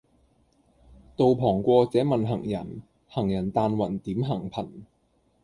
道旁過者問行人，行人但云點行頻。